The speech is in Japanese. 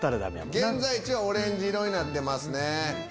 現在地はオレンジ色になってますね。